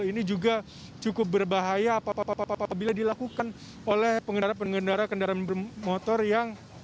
ini juga cukup berbahaya apabila dilakukan oleh pengendara pengendara kendaraan bermotor yang